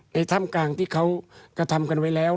ถ้ำกลางที่เขากระทำกันไว้แล้ว